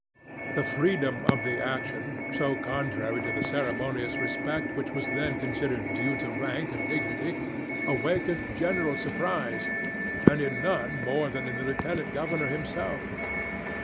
The freedom of the action, so contrary to the ceremonious respect which was then considered due to rank and dignity, awakened general surprise, and in none more than in the lieutenant governor himself.